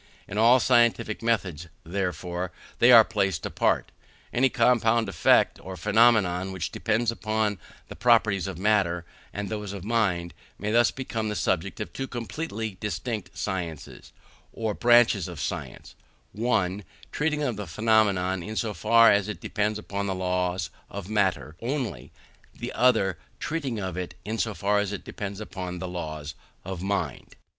In all scientific methods, therefore, they are placed apart. Any compound effect or phenomenon which depends both on the properties of matter and on those of mind, may thus become the subject of two completely distinct sciences, or branches of science; one, treating of the phenomenon in so far as it depends upon the laws of matter only; the other treating of it in so far as it depends upon the laws of mind.